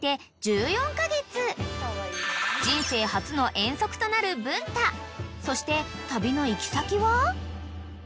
［人生初の遠足となる文太そして旅の行き先は？］